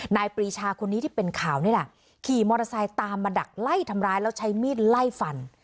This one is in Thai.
ปรีชาคนนี้ที่เป็นข่าวนี่แหละขี่มอเตอร์ไซค์ตามมาดักไล่ทำร้ายแล้วใช้มีดไล่ฟัน